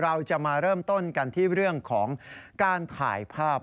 เราจะมาเริ่มต้นกันที่เรื่องของการถ่ายภาพ